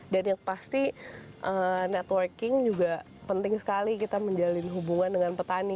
dan yang pasti networking juga penting sekali kita menjalin hubungan dengan petani